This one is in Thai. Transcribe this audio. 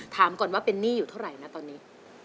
ถามก่อนว่าเป็นหนี้อยู่เท่าไหร่นะตอนนี้